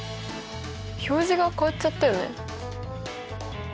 表示が変わっちゃったよね。